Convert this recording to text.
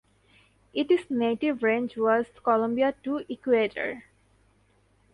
It is native range was Colombia to Ecuador.